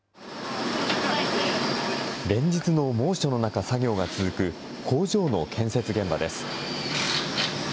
連日の猛暑の中、作業が続く工場の建設現場です。